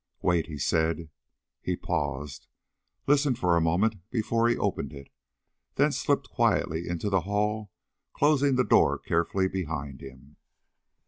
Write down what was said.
"Wait," he said. He paused, listening for a moment before he opened it, then slipped quietly into the hall, closing the door carefully behind him.